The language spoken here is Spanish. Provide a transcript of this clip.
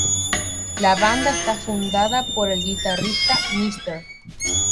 La banda está fundada por el guitarrista Mr.